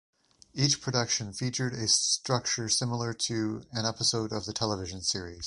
Each production featured a structure similar to an episode of the television series.